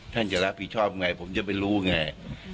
จะรับผิดชอบไงผมจะไปรู้ไง